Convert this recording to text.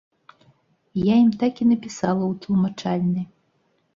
Я ім так і напісала ў тлумачальнай.